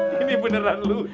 ini beneran lucu